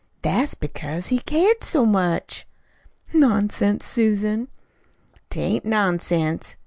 "That's because he cared so much." "Nonsense, Susan!" "'T ain't nonsense.